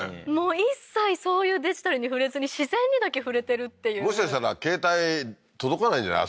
一切そういうデジタルに触れずに自然にだけ触れてるっていうもしかしたら携帯届かないんじゃない？